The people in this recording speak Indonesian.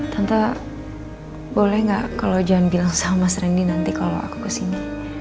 tante boleh gak kalau jangan bilang salah mas randy nanti kalau aku kesini